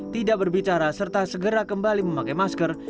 tidak berbicara serta segera kembali memakai masker